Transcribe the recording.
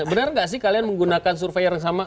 benar tidak sih kalian menggunakan survei er yang sama